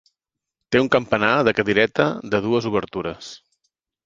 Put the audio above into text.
Té un campanar de cadireta de dues obertures.